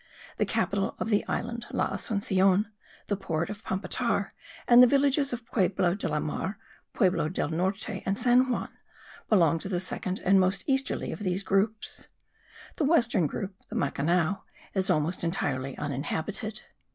The capital of the island, La Asuncion, the port of Pampatar, and the villages of Pueblo de la Mar, Pueblo del Norte and San Juan belong to the second and most easterly of these groups. The western group, the Macanao, is almost entirely uninhabited.